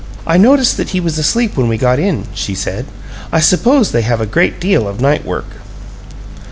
"I noticed that he was asleep when we got in," she said. "I suppose they have a great deal of night work."